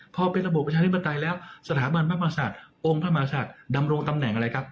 พอเป็นระบบประชาธิปไตยแล้วสถาบันพระมหาศาสตร์องค์พระมหาศัตริย์ดำรงตำแหน่งอะไรครับ